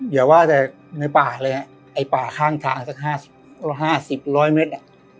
อย่าว่าแต่ในป่าเลยไอ้ป่าข้างทางสัก๕๐๑๐๐เมตร